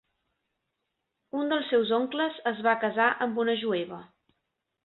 Un dels seus oncles es va casar amb una jueva.